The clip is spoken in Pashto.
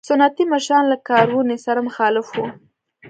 سنتي مشران له کارونې سره مخالف وو.